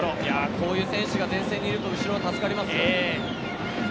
こういう選手が前線にいると後ろは助かりますよね。